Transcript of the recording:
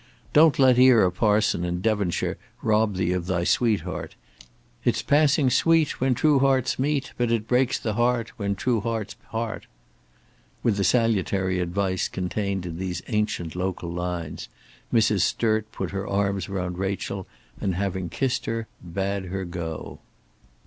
Don't let ere a parson in Devonshire rob thee of thy sweetheart. It's passing sweet, when true hearts meet. But it breaks the heart, when true hearts part." With the salutary advice contained in these ancient local lines Mrs. Sturt put her arms round Rachel, and having kissed her, bade her go.